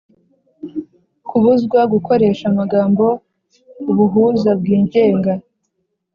Kubuzwa gukoresha amagambo «ubuhuza bwigenga»